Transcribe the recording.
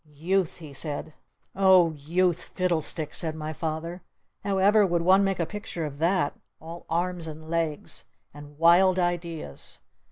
"Youth!" he said. "Oh, youth Fiddle sticks!" said my Father. "How ever would one make a picture of that? All arms and legs! And wild ideas!